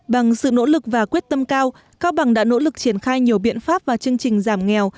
bằng sự nỗ lực và quyết tâm cao cao bằng đã nỗ lực triển khai nhiều biện pháp và chương trình giảm nghèo